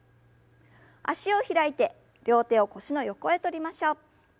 脚を開いて両手を腰の横へとりましょう。